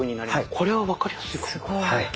これは分かりやすいかも。